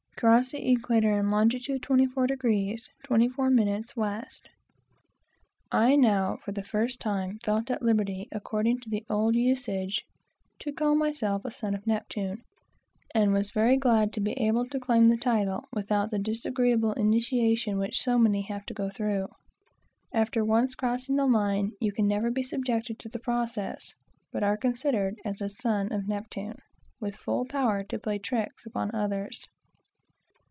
Crossed the equator in long. 24° 24' W. I now, for the first time, felt at liberty, according to the old usage, to call myself a son of Neptune, and was very glad to be able to claim the title without the disagreeable initiation which so many have to go through. After once crossing the line you can never be subjected to the process, but are considered as a son of Neptune, with full powers to play tricks upon others.